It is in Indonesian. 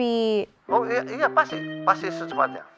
oh iya pasti pasti secepatnya